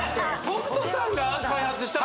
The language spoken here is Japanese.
北斗さん